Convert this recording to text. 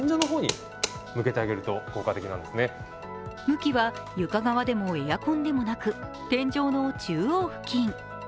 向きは床側でもエアコンでもなく天井の中央付近。